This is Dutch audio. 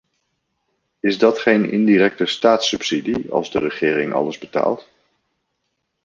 Is dat geen indirecte staatssubsidie als de regering alles betaalt?